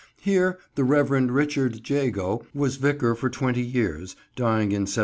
Here the Rev. Richard Jago was vicar for twenty years, dying in 1781.